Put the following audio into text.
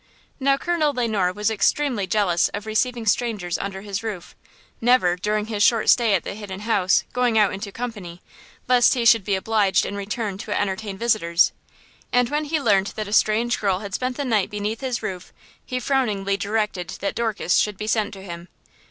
Now, Colonel Le Noir was extremely jealous of receiving strangers under his roof, never, during his short stay at the Hidden House, going out into company, lest he should be obliged in return to entertain visitors. And when he learned that a strange girl had spent the night beneath his roof, he frowningly directed that Dorcas should be sent to him.